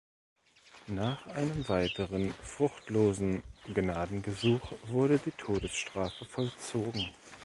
Nach einem weiteren fruchtlosen Gnadengesuch wurde die Todesstrafe vollzogen.